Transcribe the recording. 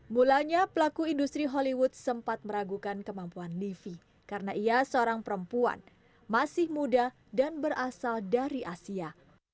mulanya pelaku industri hollywood sempat meragukan kemampuan livi karena ia seorang perempuan masih muda dan berasal dari asia